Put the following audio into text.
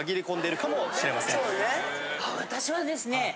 私はですね。